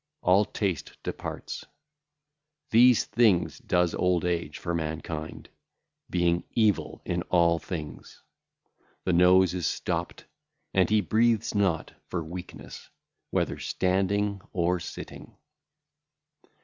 All taste departeth. These things doeth old age for mankind, being evil in all things. The nose is stopped, and he breatheth not for weakness (?), whether standing or sitting.